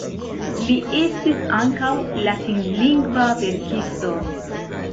Li estis ankaŭ latinlingva verkisto.